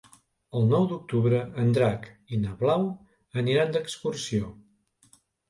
El nou d'octubre en Drac i na Blau aniran d'excursió.